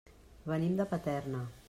Venim de Paterna.